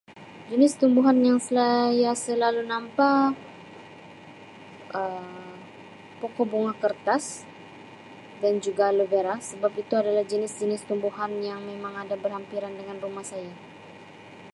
Jenis tumbuhan yang saya selalu nampak Um pokok bunga kertas dan juga aloe vera sebab itu adalah jenis-jenis tumbuhan yang ada berhampiran dengan rumah saya.